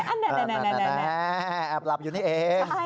แอบหลับอยู่นี่เอง